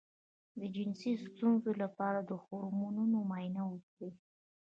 د جنسي ستونزې لپاره د هورمونونو معاینه وکړئ